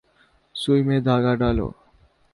سوئی میں دھاگہ ڈالو۔